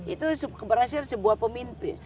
itu berhasil seorang pemimpin